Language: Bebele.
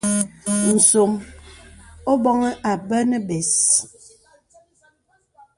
Nsòm o bɔ̄ŋi abɛ nə̀ bès.